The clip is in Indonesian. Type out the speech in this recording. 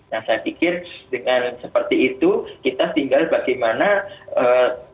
nah saya pikir dengan seperti itu kita tinggal bagaimana